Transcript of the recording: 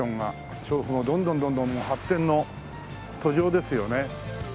調布もどんどんどんどん発展の途上ですよね。